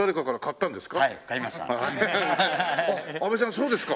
そうですか。